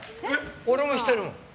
俺もしてるもん。